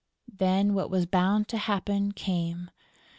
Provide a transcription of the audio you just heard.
Then what was bound to happen came.